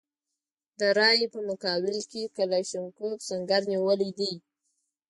د رایې په مقابل کې کلاشینکوف سنګر نیولی دی.